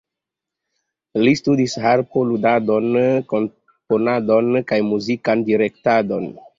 Li studis harpo-ludadon, komponadon kaj muzikan direktadon.